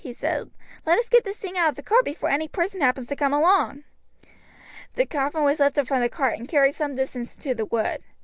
he said, "let us get this thing out of the cart before any person happen to come along." The coffin was lifted from the cart, and carried some short distance into the wood.